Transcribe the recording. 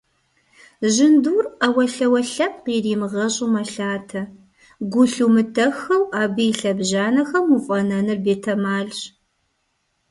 Жьындур, Iэуэлъауэ лъэпкъ иримыгъэщIу, мэлъатэ, гу лъумытэххэу абы и лъэбжьанэхэм уфIэнэныр бетэмалщ.